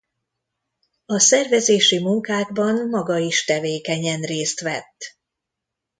A szervezési munkákban maga is tevékenyen részt vett.